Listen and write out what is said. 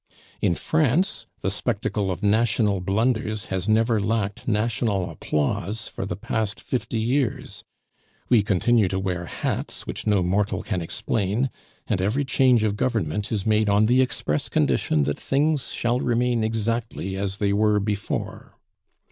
In France the spectacle of national blunders has never lacked national applause for the past fifty years; we continue to wear hats which no mortal can explain, and every change of government is made on the express condition that things shall remain exactly as they were before.